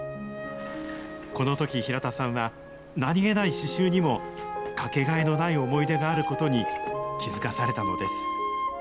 このとき平田さんは、何気ない刺しゅうにも、掛けがえのない思い出があることに気付かされたのです。